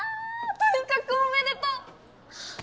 とにかくおめでとう！